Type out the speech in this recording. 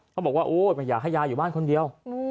บอกว่าโอ๊ยไม่อยากให้ยายอยู่บ้านคนเดียว